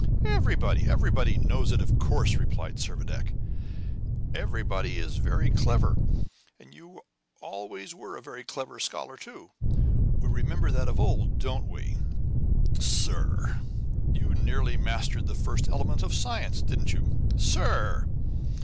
"Everybody. Everybody knows it, of course," replied Servadac. "Everybody is very clever. And you always were a very clever scholar too. We remember that of old, don't we?" "Sir!" "You nearly mastered the first elements of science, didn't you?" "Sir!"